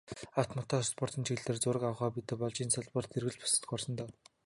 Авто, мото спортын чиглэлээр зураг авах хоббитой болж, энэ салбарт эргэлт буцалтгүй орсон доо.